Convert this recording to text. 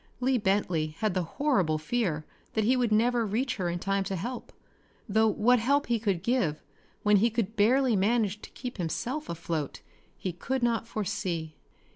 Lee Bentley had the horrible fear that he would never reach her in time to help though what help he could give, when he could barely manage to keep himself afloat, he could not forsee.